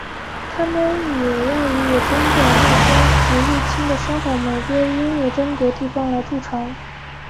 它们也要与野生的蜜蜂及入侵的深红玫瑰鹦鹉争夺地方来筑巢。